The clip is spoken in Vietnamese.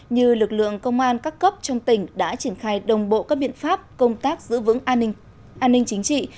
như lực lượng công an các cấp trong tỉnh đã triển khai đồng bộ các biện pháp công tác giữ vững an ninh chính trị